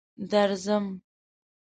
درځم.